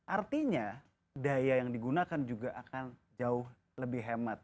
artinya daya yang digunakan juga akan jauh lebih hemat